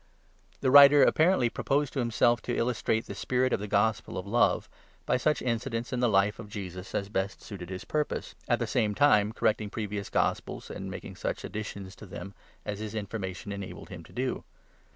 The writer apparently proposed to himself to illustrate the spirit of the ' Gospel of Love ' by such incidents in the life of Jesus as best suited his purpose ; at the same time correct ing previous gospels, and making such additions to them, as his information enabled him to do.